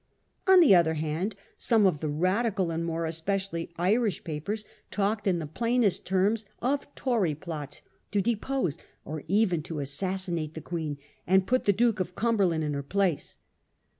On the other hand, some of the Radical, and more especially Irish papers talked in the plainest terms of Tory plots to depose or even to assassinate the Queen and put the Duke of Cumberland in her place.